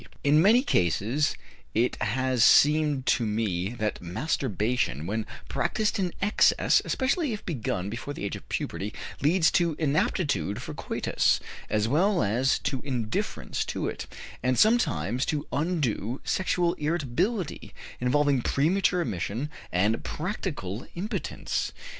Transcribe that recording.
In many cases it has seemed to me that masturbation, when practiced in excess, especially if begun before the age of puberty, leads to inaptitude for coitus, as well as to indifference to it, and sometimes to undue sexual irritability, involving premature emission and practical impotence.